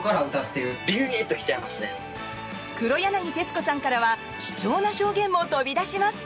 黒柳徹子さんからは貴重な証言も飛び出します。